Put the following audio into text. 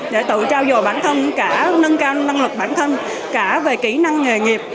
để tự trao dồi bản thân cả nâng cao năng lực bản thân cả về kỹ năng nghề nghiệp